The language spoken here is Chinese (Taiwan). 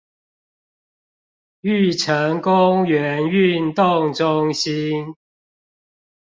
玉成公園運動中心